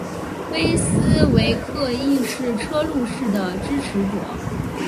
威斯维克亦是车路士的支持者。